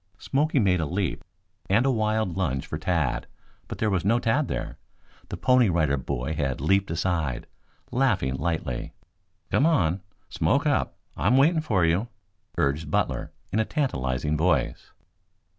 Smoky made a leap and a wild lunge for Tad, but there was no Tad there. The Pony Rider Boy had leaped aside, laughing lightly. "Come on. Smoke up! I'm waiting for you!" urged Butler in a tantalizing voice.